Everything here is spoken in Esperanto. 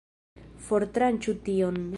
Fortranĉu tion!